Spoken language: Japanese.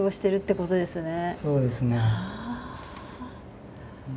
そうですね。